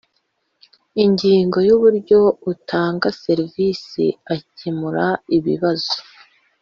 Ingingo y Uburyo utanga serivisi akemura ibibazo